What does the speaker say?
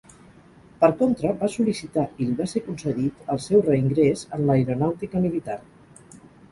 Per contra, va sol·licitar i li va ser concedit el seu reingrés en l'Aeronàutica Militar.